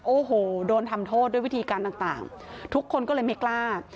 โอ้โหโดนทำโทษด้วยวิธีการต่างทุกคนก็เลยไม่กล้า